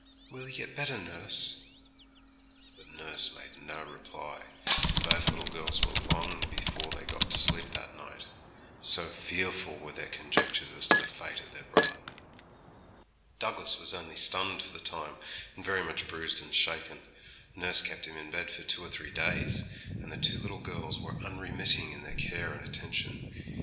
'Will he get better, nurse?' But nurse made no reply, and both little girls were long before they got to sleep that night, so fearful were their conjectures as to the fate of their brother. Douglas was only stunned for the time, and very much bruised and shaken. Nurse kept him in bed for two or three days, and the two little girls were unremitting in their care and attention.